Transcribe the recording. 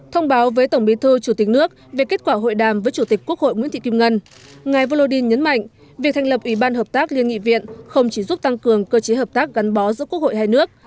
thông báo với tổng bí thư chủ tịch nước về kết quả hội đàm với chủ tịch quốc hội nguyễn thị kim ngân ngài volodin nhấn mạnh việc thành lập ủy ban hợp tác liên nghị viện không chỉ giúp tăng cường cơ chế hợp tác gắn bó giữa quốc hội hai nước